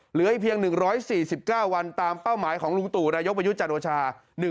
เหลืออีกเพียง๑๔๙วันตามเป้าหมายของลุงตู่นายกประยุทธ์จันโอชา